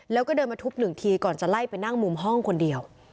แล้วก็เดินมาทุบหนึ่งทีก่อนจะไล่ไปนั่งมุมห้องคนเดียว